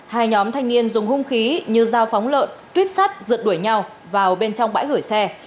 hai nhóm thanh niên dùng hung khí như dao phóng lợn tuyếp sắt rượt đuổi nhau vào bên trong bãi gửi xe